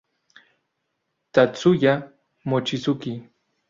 Tatsuya Mochizuki